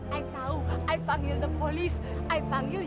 aku tunggu raka disini